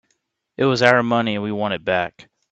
It was our money and we want it back.